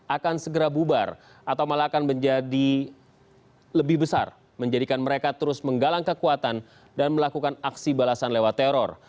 akan segera bubar atau malah akan menjadi lebih besar menjadikan mereka terus menggalang kekuatan dan melakukan aksi balasan lewat teror